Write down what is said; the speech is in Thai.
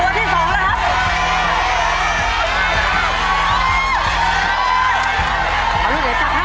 ตัวที่สองแล้วครับ